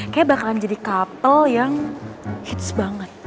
kayaknya bakalan jadi kapal yang hits banget